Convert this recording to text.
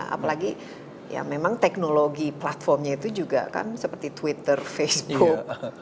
apalagi ya memang teknologi platformnya itu juga kan seperti twitter facebook